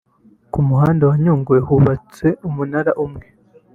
Ku muhanda wa Nyungwe hubatse umunara umwe